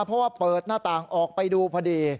แล้วก็เรียกเพื่อนมาอีก๓ลำ